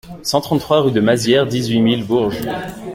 cent trente-trois rue de Mazières, dix-huit mille Bourges